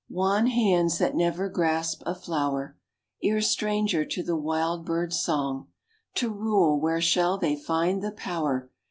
Wan hands that never grasped a flower, Ears stranger to the wild bird's song, To rule, where shall they find the power?